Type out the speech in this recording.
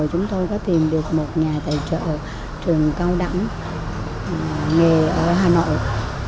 chúng tôi có tìm được một nhà tài trợ trường cao đẳng nghề ở hà nội